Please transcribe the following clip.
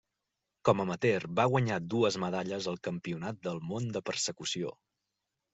Com amateur va guanyar dues medalles al Campionat del món de persecució.